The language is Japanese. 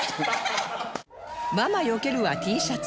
「ママよける」は Ｔ シャツ